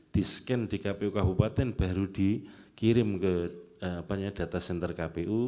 di scan di kpu kabupaten baru dikirim ke data center kpu